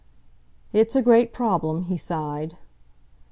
"It's a great problem," he sighed.